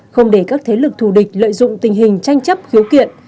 không để các thế lực thù địch lợi dụng tình hình tranh chấp khiếu kiện